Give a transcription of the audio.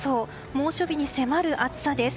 猛暑日に迫る暑さです。